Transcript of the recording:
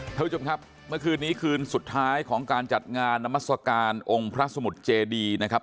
ท่านผู้ชมครับเมื่อคืนนี้คืนสุดท้ายของการจัดงานนามัศกาลองค์พระสมุทรเจดีนะครับ